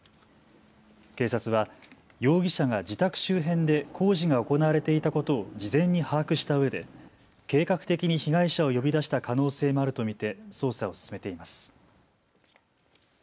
警察は容疑者が自宅周辺で工事が行われていたことを事前に把握したうえで計画的に被害者を呼び出した可能性もあると見て捜査を進めています。